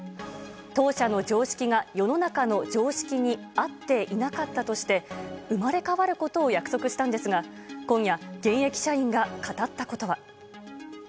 当社の常識が世の中の常識に合っていなかったとして、生まれ変わることを約束したんですが、今夜、現役社員が語ったことは。